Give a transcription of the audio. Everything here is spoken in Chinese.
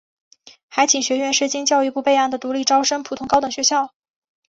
海警学院是经教育部备案的独立招生普通高等学校。